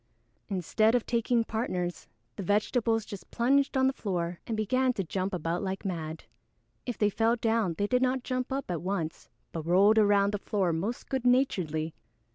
_] Instead of taking partners, the vegetables just plunged on to the floor and began to jump about like mad. If they fell down they did not jump up at once but rolled around the floor most good naturedly.